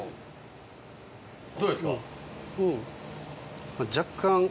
どうですか？